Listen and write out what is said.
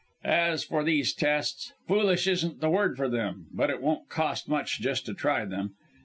As for these tests foolish isn't the word for them but it won't cost much just to try them....